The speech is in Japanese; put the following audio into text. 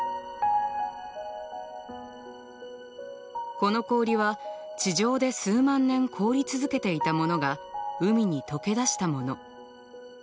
この氷は地上で数万年凍り続けていたものが海に解け出したもの。